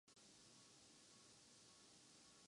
انہیں ٹیم کا کپتان بنایا گیا تو وہ اس کے لیے تیار ہیں